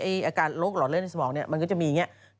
อาการโรคหลอดเลือดในสมองเนี่ยมันก็จะมีอย่างนี้